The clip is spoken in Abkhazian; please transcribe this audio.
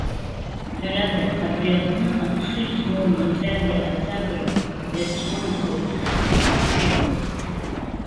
Ҳәарада, абри аҟны ахшыҩ змоу, мамзаргьы аҵабырг иазҿлымҳау рзы аҵатәхәы ыҟоуп.